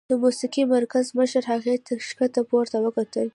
د موسيقۍ د مرکز مشر هغې ته ښکته پورته وکتل.